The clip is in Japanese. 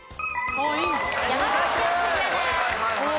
山口県クリアです。